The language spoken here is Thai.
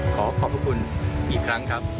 ขอขอบพระคุณอีกครั้งครับ